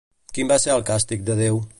Quin va ser el càstig de Déu?